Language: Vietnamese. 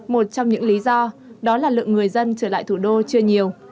một trong những lý do đó là lượng người dân trở lại thủ đô chưa nhiều